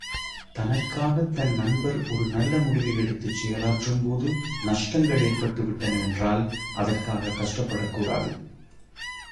தனக்காகத் தன் நண்பர் ஒரு நல்ல முடிவை எடுத்துச் செயலாற்றும்போது நஷ்டங்கள் ஏற்பட்டுவிட்டன என்றால் அதற்காகக் கஷ்டப்படக் கூடாது.